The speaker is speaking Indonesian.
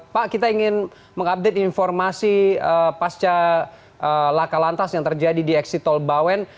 pak kita ingin mengupdate informasi pasca laka lantas yang terjadi di eksitol bawen